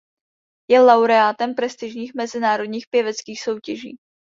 Je laureátem prestižních mezinárodních pěveckých soutěží.